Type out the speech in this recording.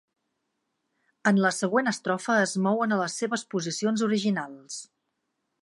En la següent estrofa es mouen a les seves posicions originals.